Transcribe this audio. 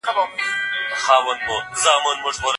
که تاسي نباتات وخورئ نو ستاسو د زړه ضربان به په نورمال ډول وي.